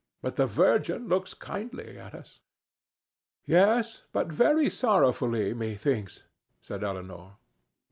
But the Virgin looks kindly at us." "Yes, but very sorrowfully, methinks," said Elinor.